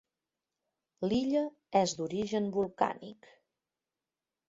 L'illa és d'origen volcànic.